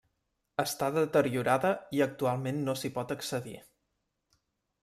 Està deteriorada i actualment no s'hi pot accedir.